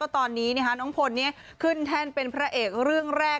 ตอนนี้น้องพลขึ้นแท่นเป็นพระเอกเรื่องแรก